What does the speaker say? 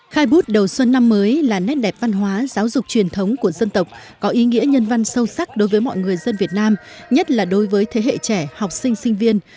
khai bút đầu xuân năm mới là nét đẹp văn hóa giáo dục truyền thống của dân tộc có ý nghĩa nhân văn sâu sắc đối với mọi người dân việt nam nhất là đối với thế hệ trẻ học sinh sinh viên